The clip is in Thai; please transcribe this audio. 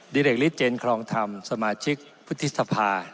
ดิเร็กฤทธิ์เจนครองธรรมสมาชิกพุทธิศภา